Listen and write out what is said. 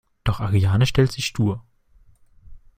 Doch Ariane stellt sich stur.